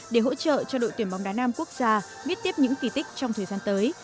để hỗ trợ cho đội tuyển bóng đá nam quốc gia biết tiếp những kỳ tích trong thời gian tới